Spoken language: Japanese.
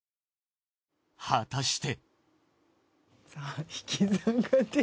果たして。